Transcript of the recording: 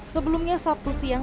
sebelumnya sabtu siang